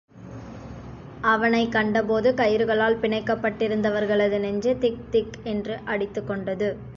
அவனைக் கண்டபோது கயிறுகளால் பிணைக்கப்பட்டிருந்தவர்களது நெஞ்சு திக் திக் என்று அடித்துக்கொண்டது.